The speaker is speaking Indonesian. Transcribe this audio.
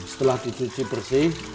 setelah disuci bersih